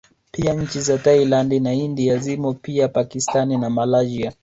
Pia nchi za Thailand na India zimo pia Pakistani na Malaysia